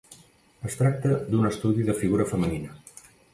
Es tracta d'un estudi de figura femenina.